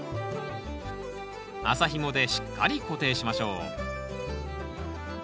麻ひもでしっかり固定しましょう。